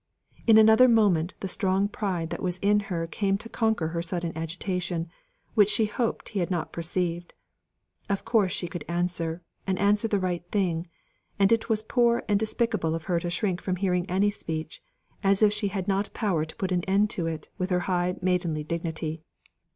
In another moment the strong pride that was in her came to conquer her sudden agitation, which she hoped he had not perceived. Of course she could answer, and answer the right thing; and it was poor and despicable of her to shrink from hearing any speech, as if she had not power to put an end to it with her high maidenly dignity.